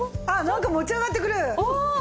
あっなんか持ち上がってくる！